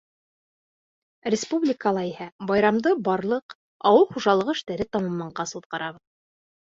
Республикала иһә байрамды барлыҡ ауыл хужалығы эштәре тамамланғас уҙғарабыҙ.